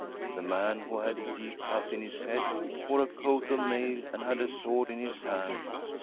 The man, who had a deep cut in his head, wore a coat of mail, and had a sword in his hand.